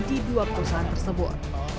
di dua perusahaan tersebut